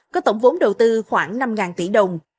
có tổng vốn đầu tư khoảng năm tỷ đồng